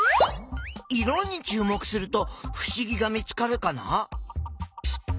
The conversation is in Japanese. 色にちゅう目するとふしぎが見つかるかな？